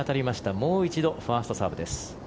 もう一度ファーストサーブです。